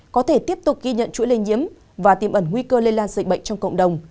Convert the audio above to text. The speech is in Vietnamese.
có thể tiếp tục ghi nhận chuỗi lây nhiễm và tiềm ẩn nguy cơ lây lan dịch bệnh trong cộng đồng